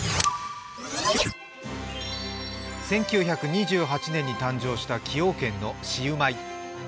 １９２８年に誕生した崎陽軒のシウマイ。